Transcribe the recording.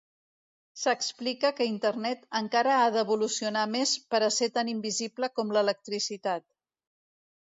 S'explica que internet encara ha d'evolucionar més per a ser tan invisible com l'electricitat.